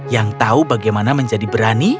yang tahu bagaimana menjadi berani